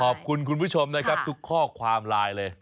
ขอบคุณคุณผู้ชมนะครับทุกข้อความไลน์เลย